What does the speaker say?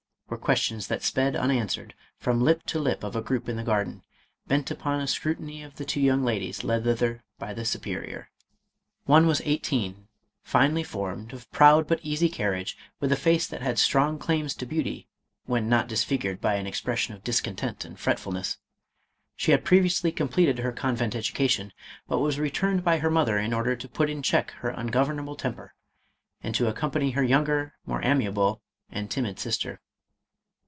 were questions that sped unanswered from lip to lip of a group in the garden, bent upon a scrutiny of the two young ladies led thither by the superior. One was eighteen ; finely formed, of proud but easy carriage, with a face that had strong claims to beauty when not disfigured by an expression of discontent and fretfulness. She had previously completed her convent education, but was returned by her mother in order to put in check her ungovernable temper, and to accompany her younger, more amiable, and timid sister.